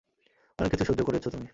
অনেককিছু সহ্য করেছ তুমি।